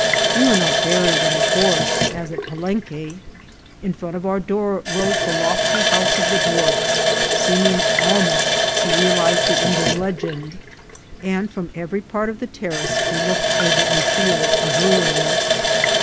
We were not buried in the forest as at Palenque. In front of our door rose the lofty house of the dwarf, seeming almost to realize the Indian legend, and from every part of the terrace we looked over a field of ruins.